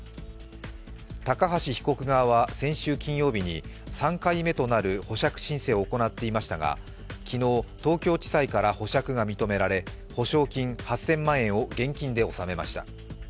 高橋被告側は先週金曜日に３回目となる保釈申請を行っていましたが昨日東京地裁から保釈が認められ保証金８０００万円を現金で納めました。